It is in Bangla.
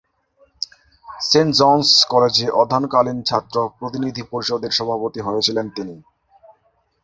সেন্ট জন’স কলেজে অধ্যয়নকালীন ছাত্র প্রতিনিধি পরিষদের সভাপতি হয়েছিলেন তিনি।